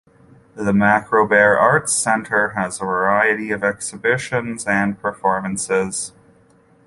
The Macrobert Arts Centre has a variety of exhibitions and performances.